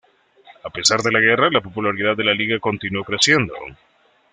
A pesar de la guerra, la popularidad de la liga continuó creciendo.